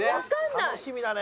楽しみだね。